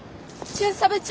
巡査部長！